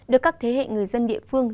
được các thế hệ người dân địa phương